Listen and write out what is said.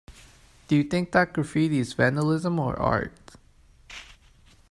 Do you think that graffiti is vandalism or art?